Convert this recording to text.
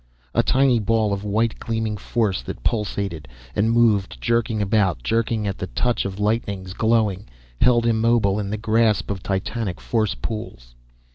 A tiny ball of white gleaming force that pulsated, and moved, jerking about, jerking at the touch of lightnings, glowing, held immobile in the grasp of titanic force pools.